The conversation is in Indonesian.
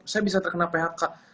saya bisa terkena phk